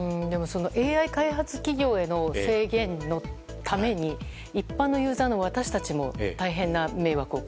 ＡＩ開発企業への制限のために一般のユーザーの私たちも大変な迷惑を。